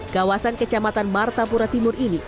kawasan kecamatan martapura timur ini